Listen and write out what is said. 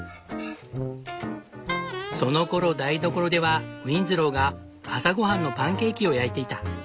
そのころ台所ではウィンズローが朝ごはんのパンケーキを焼いていた。